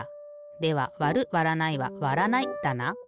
ではわるわらないはわらないだな。